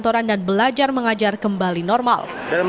restoran dan belajar mengajar kembali normal